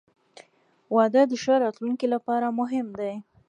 • واده د ښه راتلونکي لپاره مهم دی.